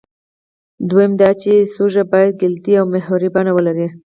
دویم دا چې سوژه باید کلیدي او محوري بڼه ولري.